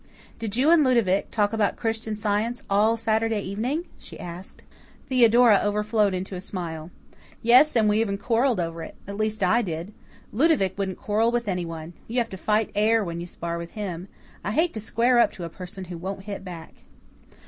"Did you and Ludovic talk about Christian Science ALL Saturday evening?" she asked. Theodora overflowed into a smile. "Yes, and we even quarrelled over it. At least I did. Ludovic wouldn't quarrel with anyone. You have to fight air when you spar with him. I hate to square up to a person who won't hit back."